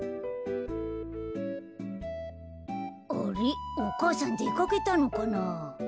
あれっお母さんでかけたのかな。